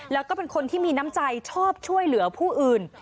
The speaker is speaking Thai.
แล้วก็เป็นคนที่มีน้ำใจชอบช่วยเหลือผู้อื่น